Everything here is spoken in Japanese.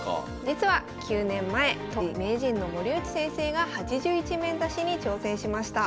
実は９年前当時名人の森内先生が８１面指しに挑戦しました。